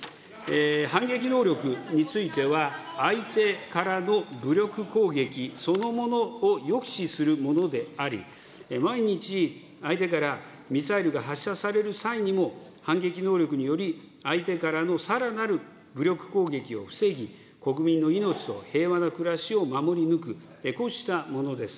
反撃能力については、相手からの武力攻撃そのものを抑止するものであり、万一、相手からミサイルが発射される際にも、反撃能力により相手からのさらなる武力攻撃を防ぎ、国民の命と平和な暮らしを守り抜く、こうしたものです。